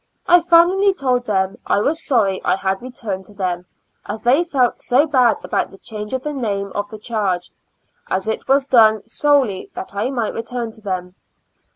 I finally told them I was sorry I had returned to them, as they felt so bad about the change of the name of the charge, as it was done solely that I might return to them.